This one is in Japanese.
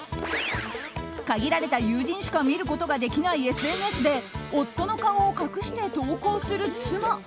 限られた友人しか見ることができないＳＮＳで夫の顔を隠して投稿する妻。